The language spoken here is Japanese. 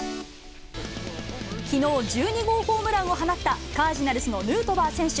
きのう、１２号ホームランを放ったカージナルスのヌートバー選手。